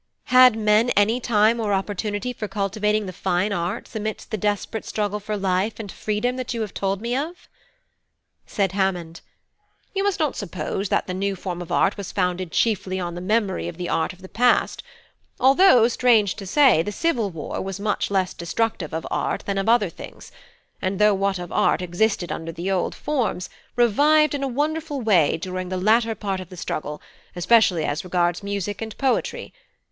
had men any time or opportunity for cultivating the fine arts amidst the desperate struggle for life and freedom that you have told me of?" Said Hammond: "You must not suppose that the new form of art was founded chiefly on the memory of the art of the past; although, strange to say, the civil war was much less destructive of art than of other things, and though what of art existed under the old forms, revived in a wonderful way during the latter part of the struggle, especially as regards music and poetry.